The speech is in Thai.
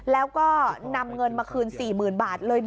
แล้วก็นำเงินมาคืน๔๐๐๐บาทเลย